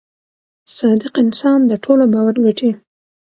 • صادق انسان د ټولو باور ګټي.